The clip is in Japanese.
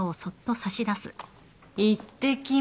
いってきまーす。